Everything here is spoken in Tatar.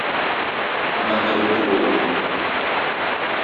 Ана теле бер булыр